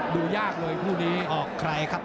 ดูยากเลยคู่นี้ออกใครครับ